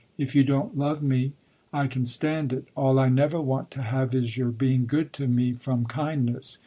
If you don't love me, I can stand it. All I never want to have is your being good to me from kindness.